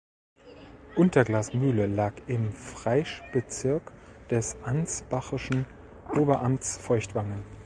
Unter(glas)mühle lag im Fraischbezirk des ansbachischen Oberamtes Feuchtwangen.